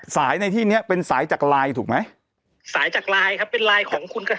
สายในที่เนี้ยเป็นสายจากลายถูกไหมสายจากลายครับเป็นลายของคุณค่ะ